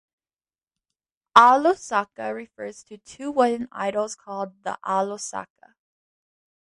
Alosaka refers to two wooden idols called the Alosaka.